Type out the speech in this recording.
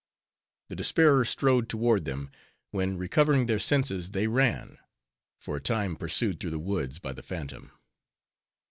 The Despairer strode toward them; when, recovering their senses, they ran; for a time pursued through the woods by the phantom.